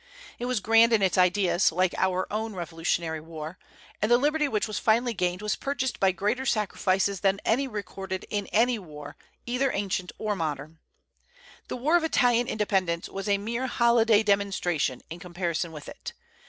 It was grand in its ideas, like our own Revolutionary War; and the liberty which was finally gained was purchased by greater sacrifices than any recorded in any war, either ancient or modern. The war of Italian independence was a mere holiday demonstration in comparison with it.